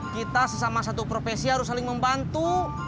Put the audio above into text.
kita sesama satu profesi harus saling membantu